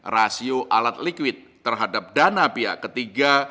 rasio alat liquid terhadap dana pihak ketiga